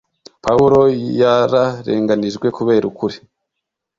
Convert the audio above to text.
Pawulo yararenganijwe kubera ukuri,